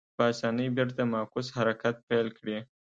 په اسانۍ بېرته معکوس حرکت پیل کړي.